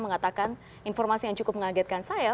mengatakan informasi yang cukup mengagetkan saya